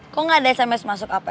kok nggak ada sms masuk apa